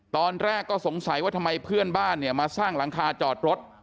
ตอนแรกก็สงสัยว่าทำไมเพื่อนบ้านเนี่ยมาสร้างหลังคาจอดรถ